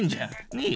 ねえ？